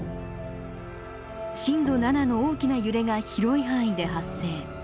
震度７の大きな揺れが広い範囲で発生。